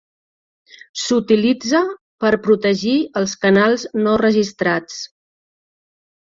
S'utilitza per protegir els canals no registrats.